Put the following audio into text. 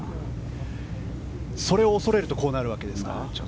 それを恐れるとこうなるわけですか。